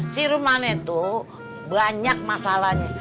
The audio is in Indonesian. si rumahnya tuh banyak masalahnya